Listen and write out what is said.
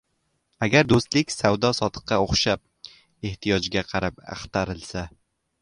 Agar do‘stlik savdo-sotiqqa o‘xshab, ehtiyojga qarab axtarilsa